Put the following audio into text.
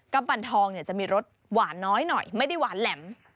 ปันทองเนี่ยจะมีรสหวานน้อยหน่อยไม่ได้หวานแหลม